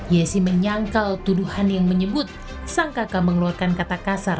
yesi menyangkal tuduhan yang menyebut sang kakak mengeluarkan kata kasar